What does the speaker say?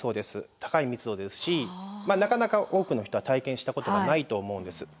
高い密度ですしなかなか多くの人は体験したことがないと思うんです。